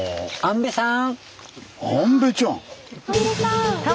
安部さん